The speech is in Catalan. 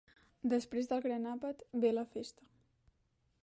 Després del gran àpat ve la festa.